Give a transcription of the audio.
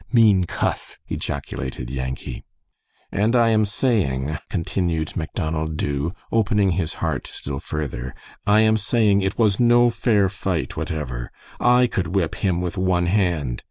"Mean cuss!" ejaculated Yankee. "And I am saying," continued Macdonald Dubh, opening his heart still further, "I am saying, it was no fair fight, whatever. I could whip him with one hand.